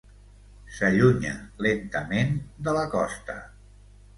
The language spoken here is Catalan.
S'allunya lentament de la costa.